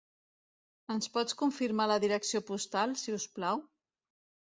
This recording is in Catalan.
Ens pots confirmar la direcció postal, si us plau?